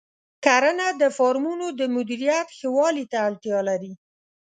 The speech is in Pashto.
کرنه د فارمونو د مدیریت ښه والي ته اړتیا لري.